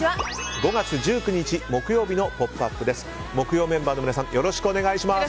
５月１９日、木曜日の「ポップＵＰ！」です。